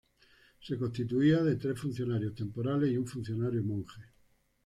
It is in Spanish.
Se constituía de tres funcionarios temporales y un funcionario monje.